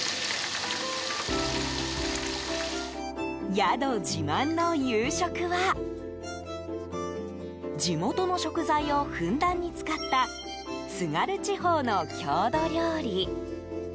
宿自慢の夕食は地元の食材をふんだんに使った津軽地方の郷土料理。